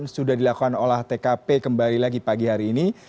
sudah dilakukan olah tkp kembali lagi pagi hari ini